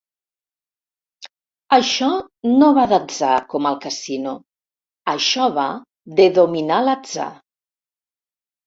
Això no va d'atzar com al casino, això va de dominar l'atzar.